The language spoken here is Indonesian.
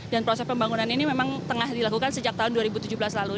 dan proses pembangunan ini memang tengah dilakukan sejak tahun dua ribu tujuh belas lalu